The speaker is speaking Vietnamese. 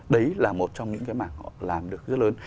đấy là một trong những cái mảng họ làm được rất lớn